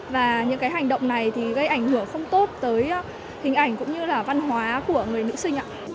và những cái hành động này thì gây ảnh hưởng không tốt tới hình ảnh cũng như là văn hóa của người nữ sinh